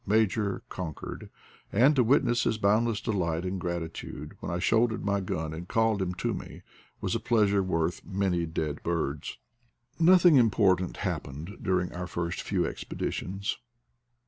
Major conquered, and to witness his boundless delight and grati tude when I shouldered my gun and called him to me, was a pleasure worth many dead birds. Nothing important happened during our first few expeditions.